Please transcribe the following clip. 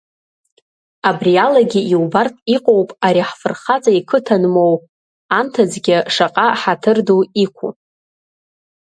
Абри алагьы иубартә иҟоуп ари ҳфырхаҵа иқыҭан моу, анҭыҵгьы шаҟа ҳаҭыр ду иқәу!